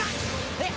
えっ？